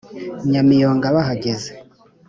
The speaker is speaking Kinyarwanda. nyamiyonga bahageze